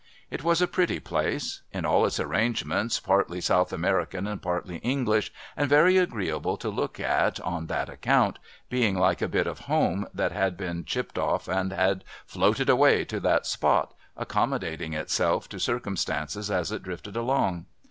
It was a pretty place : in all its arrangements partly South American and partly English, and very agreeable to look at on that account, being like a bit of home that had got chipped off and had floated away to that spot, accommodating itself to circumstances as it drifted along.